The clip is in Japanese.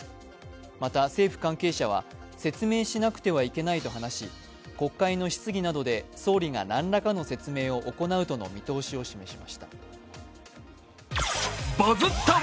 また、政府関係者は説明しなくてはいけないと話し国会の質疑などで総理が何らかの説明を行うとの見通しを示しました。